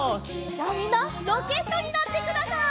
じゃあみんなロケットになってください！